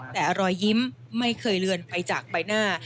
แต่รอยยิ้มไม่เคยเลือนไปจากใบหน้า